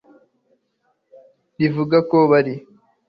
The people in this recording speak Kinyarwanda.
rivuga ko buri